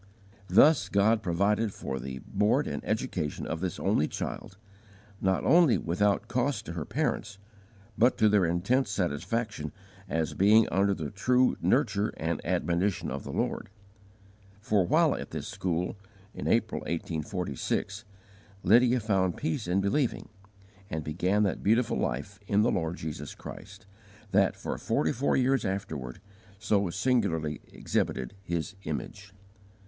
Thus God provided for the board and education of this only child, not only without cost to her parents, but to their intense satisfaction as being under the true "nurture and admonition of the Lord;" for while at this school, in April, 1846, Lydia found peace in believing, and began that beautiful life in the Lord Jesus Christ, that, for forty four years afterward, so singularly exhibited His image.